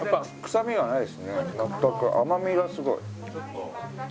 甘みがすごい。